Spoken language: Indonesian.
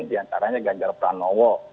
di antaranya ganjar pranowo